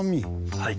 はい。